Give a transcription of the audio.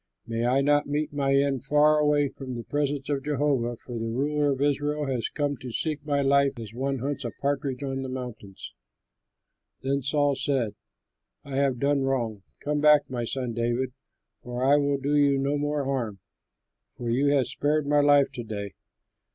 May I not meet my end far away from the presence of Jehovah, for the ruler of Israel has come out to seek my life, as one hunts a partridge on the mountains." Then Saul said, "I have done wrong. Come back, my son David, for I will do you no more harm, for you have spared my life to day.